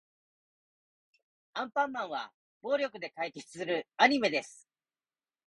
アンパンマンは暴力で解決するアニメです。